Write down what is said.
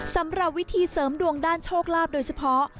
สำหรับวิธีเสริมดวงด้านโชคลาภโดยเฉพาะ